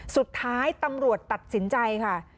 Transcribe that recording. สุดท้ายตำรวจตัดสินใจค่ะ